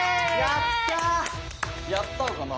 やったのかな？